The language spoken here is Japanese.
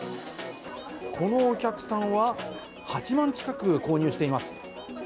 このお客さんは、８万近く購入しています。